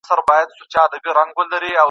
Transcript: هغه غوښتل چې هغه په راتلونکي کې ستونزه ونه لري.